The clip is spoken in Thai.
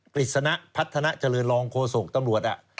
กฤษณะพัฒนาเจริญรองโฆษกตำรวจ